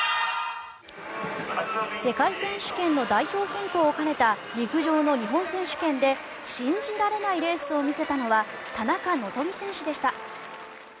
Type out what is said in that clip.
世界選手権の代表選考を兼ねた陸上の日本選手権で信じられないレースを見せたのは田中希実選手でした。